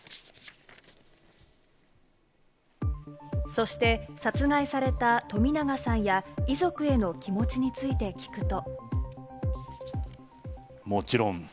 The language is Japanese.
そして殺害された冨永さんや遺族への気持ちについて聞くと。